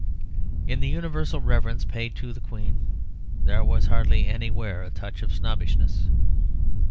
In the universal reverence paid to the Queen there was hardly anywhere a touch of snobbishness.